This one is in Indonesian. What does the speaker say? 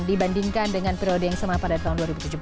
dibandingkan dengan periode yang sama pada tahun dua ribu tujuh belas